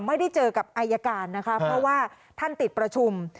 ไม่ได้เจอกับอายการนะคะเพราะว่าท่านติดประชุม